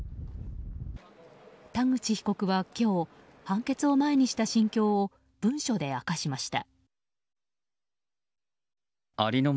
田口被告は今日判決を前にした心境を文書で明かしました。